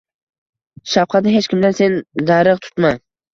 Shafqatni hech kimdan sen darig‘ tutma